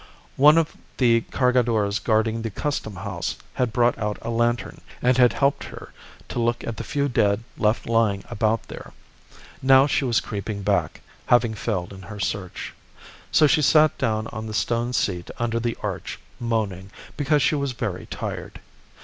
One of the Cargadores guarding the Custom House had brought out a lantern, and had helped her to look at the few dead left lying about there. Now she was creeping back, having failed in her search. So she sat down on the stone seat under the arch, moaning, because she was very tired.